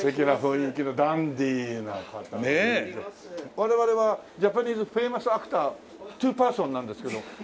我々はジャパニーズフェイマスアクターツーパーソンなんですけど。